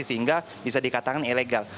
sehingga bisa dikatakan ilegal